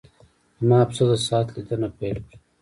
زما پسه د ساعت لیدنه پیل کړه.